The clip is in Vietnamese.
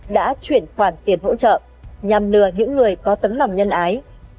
đã chuyển khoản tiền hỗ trợ nhằm lừa những người có tấm lòng nhân ái